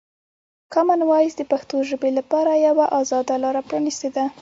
کامن وایس د پښتو ژبې لپاره یوه ازاده لاره پرانیستې ده.